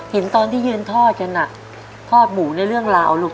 เห็นตอนที่ยืนทอดกันทอดหมูในเรื่องราวลูก